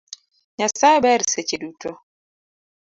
Nyasaye ber seche duto